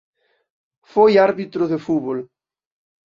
Foi árbitro de fútbol.